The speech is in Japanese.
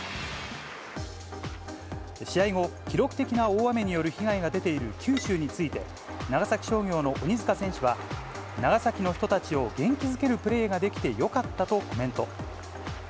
試合後、記録的な大雨による被害が出ている九州について、長崎商業の鬼塚選手は、長崎の人たちを元気づけるプレーができてよかったとコメント。